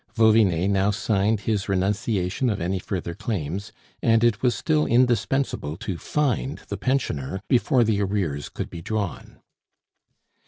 Vauvinet now signed his renunciation of any further claims, and it was still indispensable to find the pensioner before the arrears could be drawn.